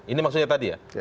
ini maksudnya tadi ya